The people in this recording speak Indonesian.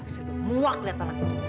saya udah muak lihat anak itu